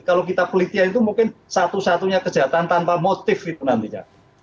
kalau kita pelitian itu mungkin satu satunya kejahatan tanpa motif itu nantinya